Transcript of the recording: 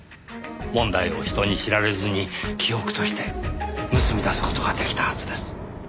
問題を人に知られずに記憶として盗み出す事が出来たはずです。